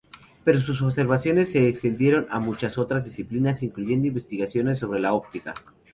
Pero sus observaciones se extendieron a muchas otras disciplinas, incluyendo investigaciones sobre la óptica.